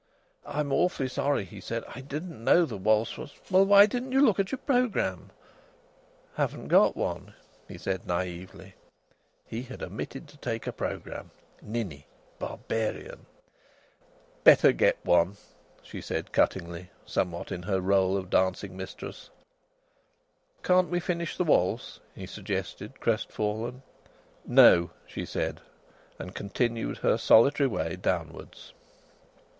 "I'm awfully sorry," he said. "I didn't know the waltz was " "Well, why didn't you look at your programme?" "Haven't got one," he said naïvely. He had omitted to take a programme. Ninny! Barbarian! "Better get one," she said cuttingly, somewhat in her rôle of dancing mistress. "Can't we finish the waltz?" he suggested, crestfallen. "No!" she said, and continued her solitary way downwards.